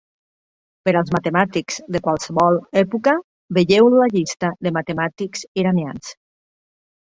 Per als matemàtics de qualsevol època, vegeu la llista de matemàtics iranians.